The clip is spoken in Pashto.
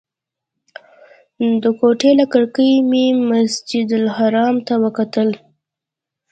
د کوټې له کړکۍ مې مسجدالحرام ته وکتل.